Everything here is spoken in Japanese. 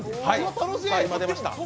今、出ました。